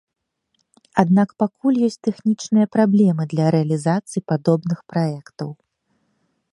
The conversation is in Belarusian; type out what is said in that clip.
Аднак пакуль ёсць тэхнічныя праблемы для рэалізацыі падобных праектаў.